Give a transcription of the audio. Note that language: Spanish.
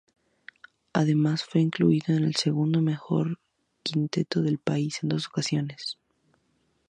Además, fue incluido en el segundo mejor quinteto del país en dos ocasiones.